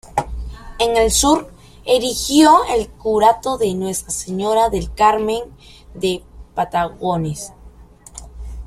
En el sur erigió el curato de Nuestra Señora del Carmen de Patagones.